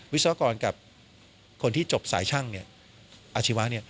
วิศวกรกับคนที่จบสายช่างอาชีวะ